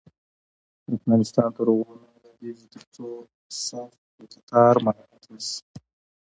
افغانستان تر هغو نه ابادیږي، ترڅو صف او کتار مراعت نشي.